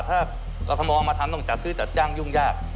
ถ้ากรทมมาทำต้องจัดซื้อจัดจ้างยุ่งยาก